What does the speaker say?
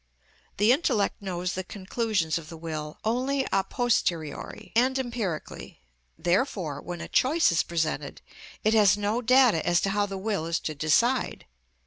The intellect knows the conclusions of the will only a posteriori and empirically; therefore when a choice is presented, it has no data as to how the will is to decide.